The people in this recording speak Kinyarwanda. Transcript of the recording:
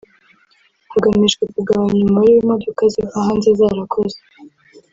hagamijwe kugabanya umubare w’imodoka ziva hanze zarakoze